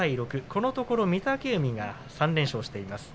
このところ御嶽海が３連勝しています。